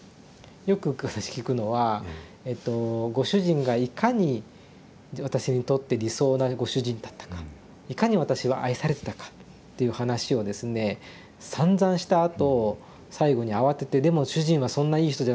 よく聞くのはご主人がいかに私にとって理想なご主人だったかいかに私は愛されてたかっていう話をですねさんざんしたあと最後に慌てて「でも主人はそんないい人じゃなかったんです」